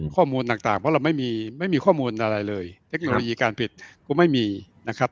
ข้อมูลต่างเพราะเราไม่มีไม่มีข้อมูลอะไรเลยเทคโนโลยีการผิดก็ไม่มีนะครับ